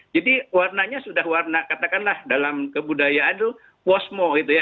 jadi warnanya sudah warna katakanlah dalam kebudayaan itu posmo